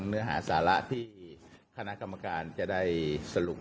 เนื้อหาสาระที่คณะกรรมการจะได้สรุป